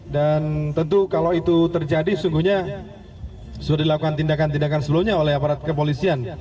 dan tentu kalau itu terjadi sungguhnya sudah dilakukan tindakan tindakan sebelumnya oleh aparat kepolisian